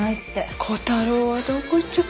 小太郎はどこ行っちゃったのかしら？